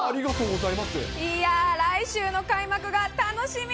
いやー、来週の開幕が楽しみ